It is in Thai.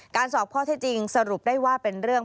สอบข้อที่จริงสรุปได้ว่าเป็นเรื่อง